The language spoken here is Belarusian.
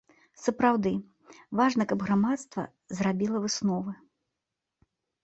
Сапраўды, важна, каб грамадства зрабіла высновы.